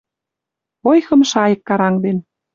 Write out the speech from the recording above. Ойхым шайык карангден».